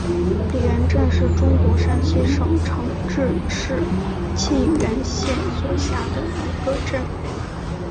李元镇是中国山西省长治市沁源县所辖的一个镇。